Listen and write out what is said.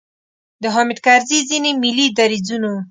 د حامد کرزي ځینې ملي دریځونو.